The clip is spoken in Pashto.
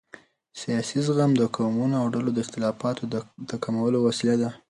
سیاسي زغم د قومونو او ډلو د اختلافاتو د کمولو وسیله ده